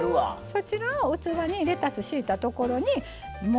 そちらを器にレタス敷いたところに盛りつけて。